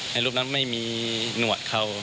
รูปนั้นไม่มีหนวดเขา